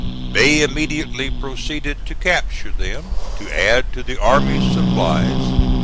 They immediately proceeded to capture them, to add to the army's supplies.